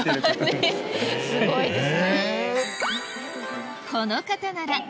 すごいですね。